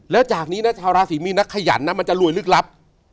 แล้วจากนี้นะชาวราศีมีนนะขยันนะมันจะรวยลึกลับ